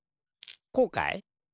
こうかい？